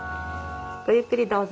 ごゆっくりどうぞ。